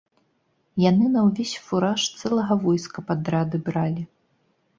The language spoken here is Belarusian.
Яны на ўвесь фураж цэлага войска падрады бралі.